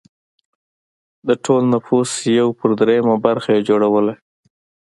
د ټول نفوس یو پر درېیمه برخه یې جوړوله